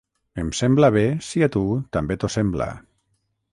Em sembla bé si a tu també t'ho sembla.